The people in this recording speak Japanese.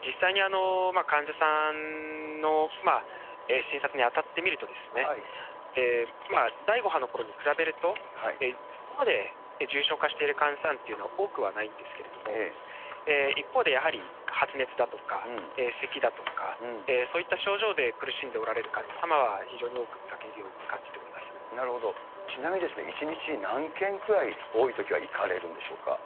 実際に患者さんの診察に当たってみると、第５波のころに比べると、そこまで重症化している患者さんというのは多くはないんですけれども、一方で、やはり発熱だとかせきだとか、そういった症状で苦しんでおられる患者様は非常に多く見かけるよなるほど、ちなみに、１日に何件くらい、多いときは行かれるんでしょうか。